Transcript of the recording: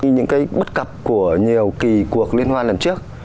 những cái bất cập của nhiều kỳ cuộc liên hoan lần trước